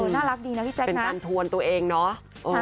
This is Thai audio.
น่ารักดีนะพี่แจ๊คเป็นการทวนตัวเองเนาะ